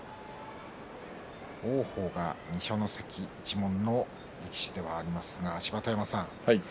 王鵬、二所ノ関一門の力士でありますが芝田山さん